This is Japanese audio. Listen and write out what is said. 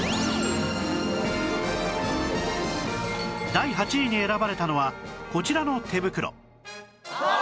第８位に選ばれたのはこちらの手袋